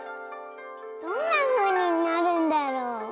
どんなふうになるんだろう？